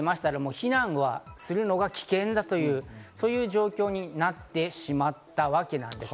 避難するのが危険だという状況になってしまったわけなんです。